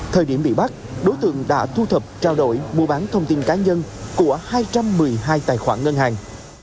thời điểm bị bắt đối tượng đã thu thập trao đổi mua bán thông tin cá nhân của hai trăm một mươi hai tài khoản ngân hàng